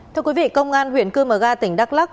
thưa quý vị công an huyện cư mờ ga tỉnh đắk lắc